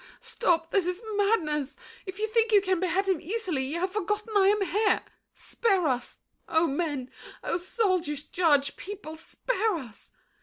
Stop! This is madness! If you think you can behead him easily, You have forgotten I am here. Spare us! Oh, men! oh, soldiers, judge, people! Spare us!